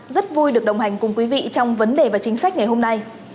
rất vui được đồng hành cùng quý vị trong vấn đề và chính sách ngày hôm nay